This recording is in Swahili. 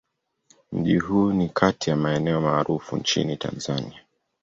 Mji huu ni kati ya maeneo maarufu nchini Tanzania.